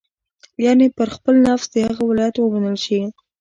یعنې پر خپل نفس د هغه ولایت ومنل شي.